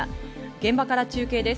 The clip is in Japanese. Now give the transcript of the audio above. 現場から中継です。